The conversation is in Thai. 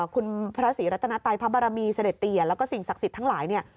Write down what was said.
คุณพระศรีรัตนไตพระบารมีเสด็จเตียแล้วก็สิ่งศักดิ์สิทธิ์ทั้งหลายเนี่ย